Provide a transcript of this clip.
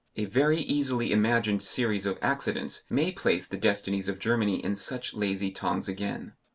A very easily imagined series of accidents may place the destinies of Germany in such lazy tongs again.